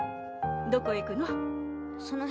どこへ行くの？